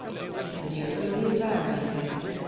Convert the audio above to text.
"It was your early environment, Hester.